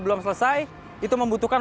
belum selesai itu membutuhkan